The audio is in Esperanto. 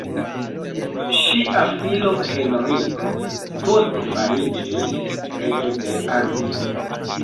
Ŝia filo Henriko poste fariĝis reĝo de Anglio.